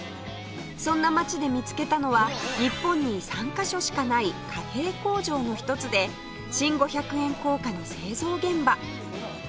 そんな街で見つけたのは日本に３カ所しかない貨幣工場の一つで新５００円硬貨の製造現場